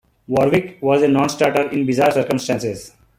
Warwick was a non-starter in bizarre circumstances.